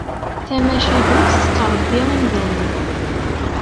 Tamacahut tettrebbi imdanen.